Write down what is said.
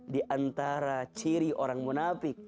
di antara ciri orang munafik